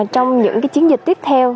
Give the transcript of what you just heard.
trong những chiến dịch tiếp theo